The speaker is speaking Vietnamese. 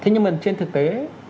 thế nhưng mà trên thực tế